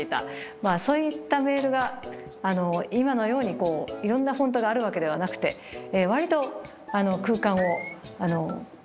まあそういったメールが今のようにいろんなフォントがあるわけではなくて割と空間をストレートに露骨に飛び回っていた。